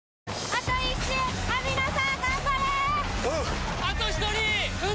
あと１人！